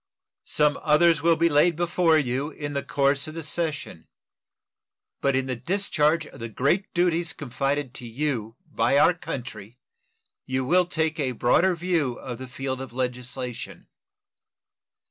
Some others will be laid before you in the course of the session; but in the discharge of the great duties confided to you by our country you will take a broader view of the field of legislation.